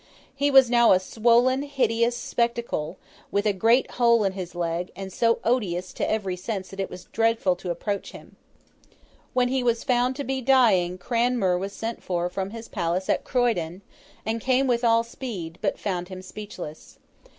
He was now a swollen, hideous spectacle, with a great hole in his leg, and so odious to every sense that it was dreadful to approach him. When he was found to be dying, Cranmer was sent for from his palace at Croydon, and came with all speed, but found him speechless.